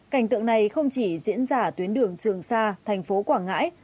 cảnh tượng này không chỉ diễn ra ở tuyến đường trường sa thành phố quảng ngãi